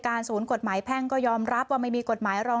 คาดีแบกเรายื่นเรายื่นจ้างจักรดายปี๑๙๕๐